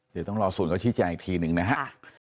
เดี๋ยวต้องรอส่วนก็ชิดอย่างอีกทีนึงนะฮะ